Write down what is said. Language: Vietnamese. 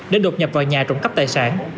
để đột nhập vào nhà trộm cắp tài sản